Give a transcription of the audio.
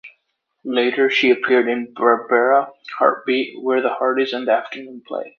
Later, she appeared in "Barbara", "Heartbeat", "Where the Heart Is" and "The Afternoon Play".